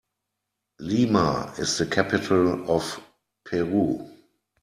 Lima is the capital of Peru.